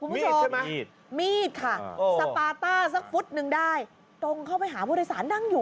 มีดใช่ไหมมีดค่ะสปาต้าสักฝุ่นหนึ่งได้ตรงเข้าไปหาบริษัทนั่งอยู่